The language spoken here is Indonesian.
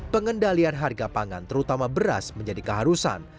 pengendalian harga pangan terutama beras menjadi keharusan